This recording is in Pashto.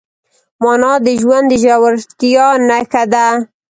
مانا د ژوند د ژورتیا نښه ده.